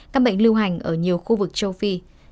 các bệnh lưu hành ở nhiều khu vực châu phi